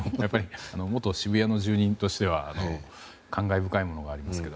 元渋谷の住人としては感慨深いものがありますけど。